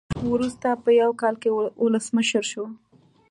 وروسته په یو کال کې ولسمشر شو.